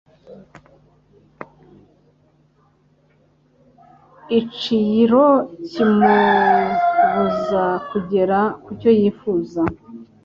icyro kimubuza kugera ku cyo yifuza.